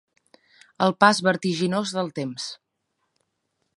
El pas vertiginós del temps.